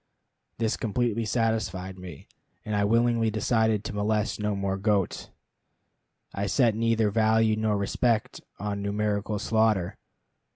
This completely satisfied me, and I willingly decided to molest no more goats. I set neither value nor respect on numerical slaughter.